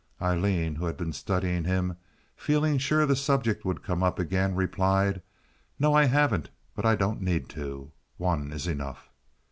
Aileen, who had been studying him, feeling sure the subject would come up again, replied: "No, I haven't; but I don't need to. One is enough."